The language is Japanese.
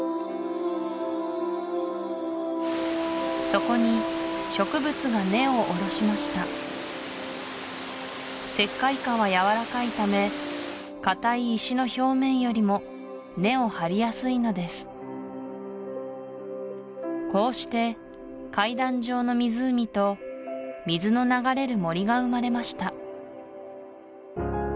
そこに植物が根をおろしました石灰華はやわらかいため硬い石の表面よりも根を張りやすいのですこうして階段状の湖と水の流れる森が生まれました